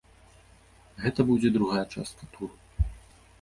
Гэта будзе другая частка туру.